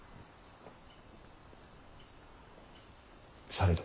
されど。